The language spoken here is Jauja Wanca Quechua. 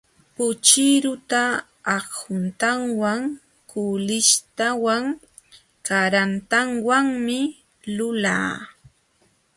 Puchiruta akhuntawan, kuulishtawan, karantawanmi lulaa.